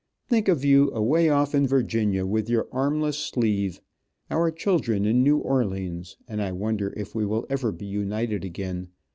I think of you, away off in Virginia, with your armless sleeve, our children in New Orleans, and I wonder if we will ever be united again.